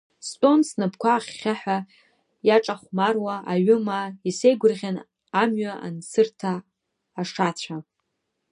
Стәон снапқәа ахьхьаҳәа иаҿахәмаруа аҩымаа, исеигәырӷьан амҩа ансырҭа ашацәа.